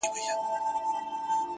مه وله د سترگو اټوم مه وله،